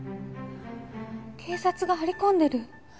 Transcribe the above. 警察が張り込んでる？